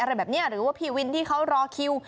อะไรแบบนี้หรือว่าพี่วินที่เขารอคิว